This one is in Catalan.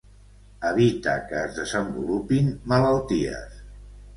Evita que es desenvolupin malalties.